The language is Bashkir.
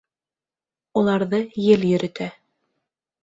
Уларҙы ел йөрөтә.